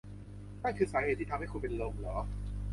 นั่นคือสาเหตุที่ทำให้คุณเป็นลมเหรอ